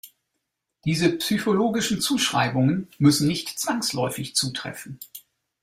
Diese psychologischen Zuschreibungen müssen nicht zwangsläufig zutreffen.